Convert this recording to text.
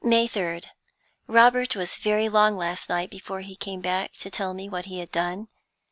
May 3d. Robert was very long last night before he came back to tell me what he had done.